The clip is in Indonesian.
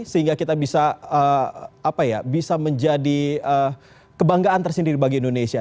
sehingga kita bisa menjadi kebanggaan tersendiri bagi indonesia